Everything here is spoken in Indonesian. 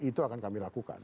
itu akan kami lakukan